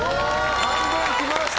半分来ました！